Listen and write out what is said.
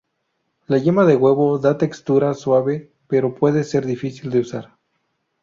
La yema de huevo da una textura suave pero puede ser difícil de usar.